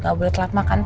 gak boleh telat makan